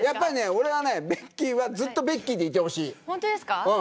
ベッキーはずっとベッキーでいてほしい。